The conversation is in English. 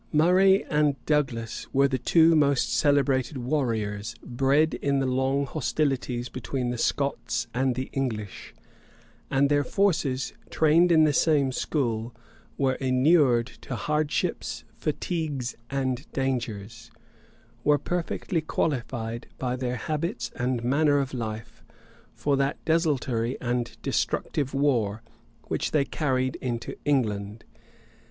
Murray and Douglas were the two most celebrated warriors, bred in the long hostilities between the Scots and English; and their forces, trained in the same school, and inured to hardships, fatigues, and dangers, were perfectly qualified, by their habits and manner of life, for that desultory and destructive war which they carried into England.